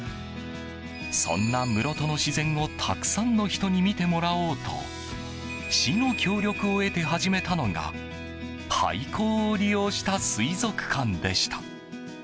そんな室戸の自然をたくさんの人に見てもらおうと市の協力を得て始めたのが廃校を利用した水族館でした。